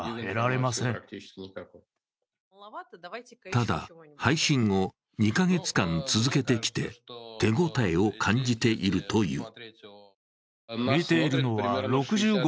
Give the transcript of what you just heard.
ただ、配信を２カ月間続けてきて手応えを感じているという。